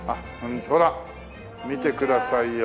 ほら見てくださいよ。